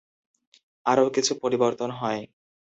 আরও কিছু পরিবর্তন হয়।